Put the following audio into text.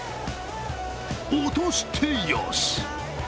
落としてよし！